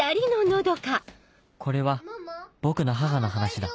これは僕の母の話だ